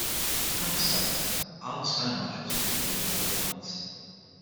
In Pakistan, armed sky marshals are deployed on all flights.